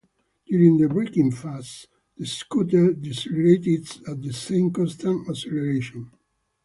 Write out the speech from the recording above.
During the braking phase, the scooter decelerates at the same constant acceleration.